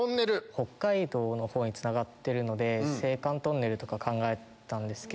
北海道のほうにつながってるので青函トンネルとか考えたんですけど。